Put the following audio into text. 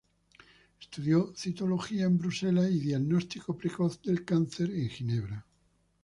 Estudió Citología en Bruselas y Diagnóstico precoz del cáncer en Ginebra.